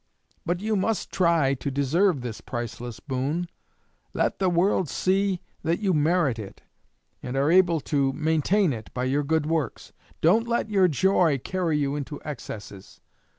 But you must try to deserve this priceless boon. Let the world see that you merit it, and are able to maintain it by your good works. Don't let your joy carry you into excesses.